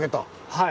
はい！